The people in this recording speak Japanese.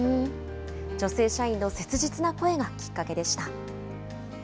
女性社員の切実な声がきっかけでした。